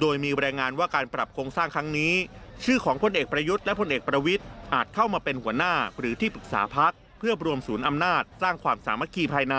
โดยมีรายงานว่าการปรับโครงสร้างครั้งนี้ชื่อของพลเอกประยุทธ์และพลเอกประวิทย์อาจเข้ามาเป็นหัวหน้าหรือที่ปรึกษาพักเพื่อรวมศูนย์อำนาจสร้างความสามัคคีภายใน